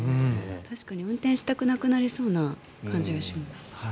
確かに運転したくなくなりそうな気がします。